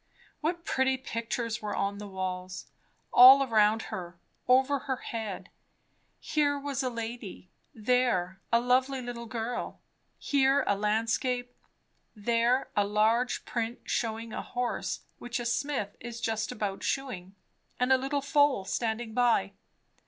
What pretty pictures were on the walls, all around her, over her head; here was a lady, there a lovely little girl; here a landscape; there a large print shewing a horse which a smith is just about shoeing, and a little foal standing by.